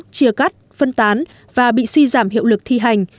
chia cắt phân tán và bị suy giảm hiệu lực thi hành